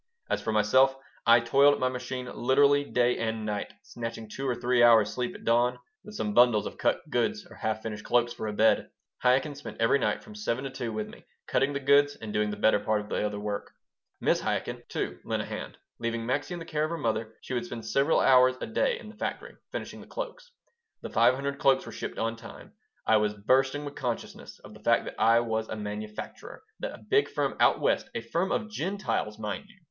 As for myself, I toiled at my machine literally day and night, snatching two or three hours' sleep at dawn, with some bundles of cut goods or half finished cloaks for a bed. Chaikin spent every night, from 7 to 2, with me, cutting the goods and doing the better part of the other work. Mrs. Chaikin, too, lent a hand. Leaving Maxie in the care of her mother, she would spend several hours a day in the factory, finishing the cloaks The five hundred cloaks were shipped on time. I was bursting with consciousness of the fact that I was a manufacturer that a big firm out West (a firm of Gentiles, mind you!)